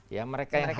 ya mereka yang harus